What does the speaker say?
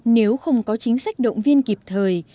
nếu không có chính sách động viên kịp thời